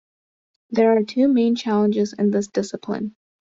There are two main challenges in this discipline.